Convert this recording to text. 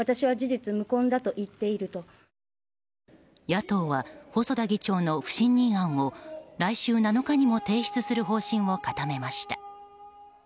野党は細田議長の不信任案を来週７日も提出する方針を固めました。